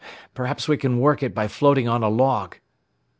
Perhaps we can work it by floating on a log."